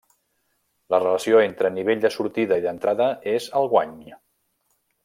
La relació entre nivell de sortida i d'entrada és el guany.